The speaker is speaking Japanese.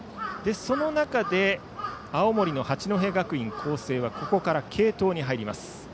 その中で青森の八戸学院光星はここから継投に入ります。